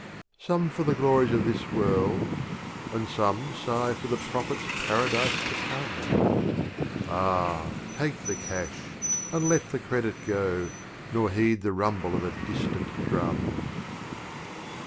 Some for the Glories of This World; and some Sigh for the Prophet's Paradise to come; Ah, take the Cash, and let the Credit go, Nor heed the rumble of a distant Drum!